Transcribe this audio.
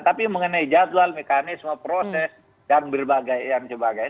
tapi mengenai jadwal mekanisme proses dan berbagai yang sebagainya